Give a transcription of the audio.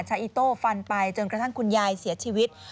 อิโต้ฟันไปจนกระทั่งคุณยายเสียชีวิต